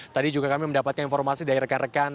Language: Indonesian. tadi juga kami mendapatkan informasi dari rekan rekan